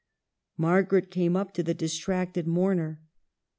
Mar garet came up to the distracted mourner.